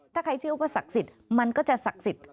ถ้าใครเชื่อว่าศักดิ์สิทธิ์มันก็จะศักดิ์สิทธิ์